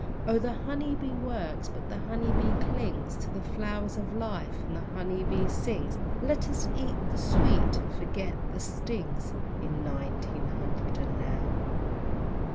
O, the honeybee works, but the honeybee clings To the flowers of life and the honeybee sings! Let us eat the sweet and forget the stings In nineteen hundred and now!